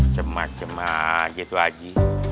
cema cema gitu aja